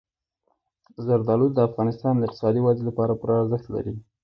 زردالو د افغانستان د اقتصادي ودې لپاره پوره ارزښت لري.